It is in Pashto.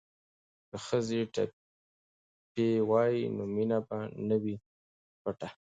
که ښځې ټپې ووايي نو مینه به نه وي پټه.